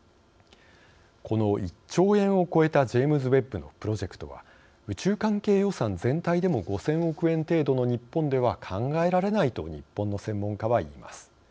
この１兆円を超えたジェームズ・ウェッブのプロジェクトは宇宙関係予算全体でも５千億円程度の日本では考えられないと日本の専門家は言います。